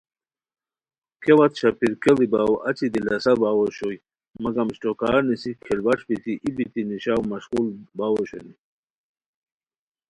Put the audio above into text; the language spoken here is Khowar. کیا وت شاپیر کیڑی باؤ اچی دلاسہ باؤ اوشوئے مگم اشٹوکارنیسی کھیلوݰ بیتی ای بیتی نیشاؤ مشقول باؤ اوشونی